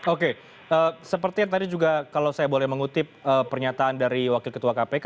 oke seperti yang tadi juga kalau saya boleh mengutip pernyataan dari wakil ketua kpk